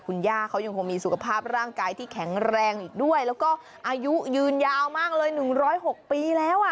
คุณย่าเขายังคงมีสุขภาพร่างกายที่แข็งแรงอีกด้วยแล้วก็อายุยืนยาวมากเลย๑๐๖ปีแล้วอ่ะ